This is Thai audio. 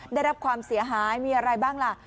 ได้รับความเสียหายมีอะไรบ้างล่ะ